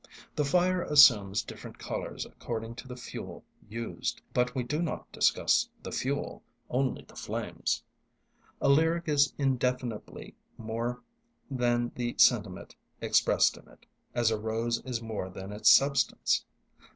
The fire assumes different colours according to the fuel used; but we do not discuss the fuel, only the flames. A lyric is indefinably more than the sentiment expressed in it, as a rose is more than its substance.